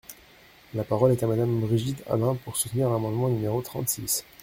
La parole est à Madame Brigitte Allain, pour soutenir l’amendement numéro trente-six.